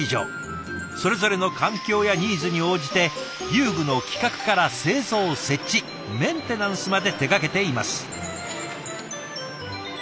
それぞれの環境やニーズに応じて遊具の企画から製造設置メンテナンスまで手がけています。